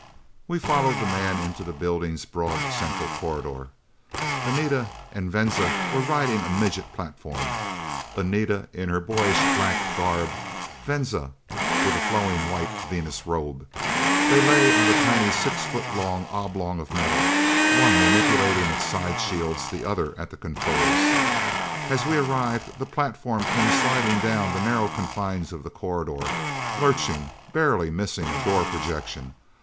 We followed the man into the building's broad central corridor. Anita and Venza were riding a midget platform! Anita, in her boyish black garb; Venza, with a flowing white Venus robe. They lay on the tiny six foot long oblong of metal, one manipulating its side shields, the other at the controls. As we arrived, the platform came sliding down the narrow confines of the corridor, lurching, barely missing a door projection.